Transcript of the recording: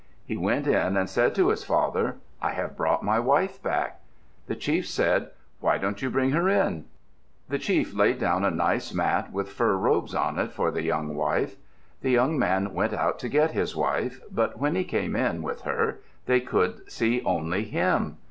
He went in and said to his father, "I have brought my wife back." The chief said, "Why don't you bring her in?" The chief laid down a nice mat with fur robes on it for the young wife. The young man went out to get his wife, but when he came in, with her, they could see only him.